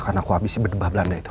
karena aku habisi berdebah belanda itu